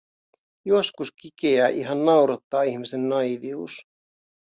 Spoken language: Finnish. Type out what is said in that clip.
Joskus Quiqueä ihan naurattaa ihmisten naiivius.